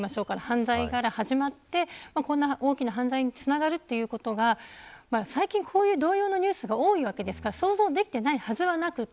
犯罪から始まって大きな犯罪につながるということが最近こういう同様のニュースが多いわけですから想像できていないわけはなく